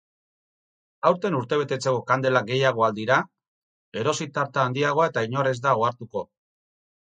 Aurten urtebetetzeko kandelak gehiago al dira? Erosi tarta handiagoa eta inor ez da ohartuko.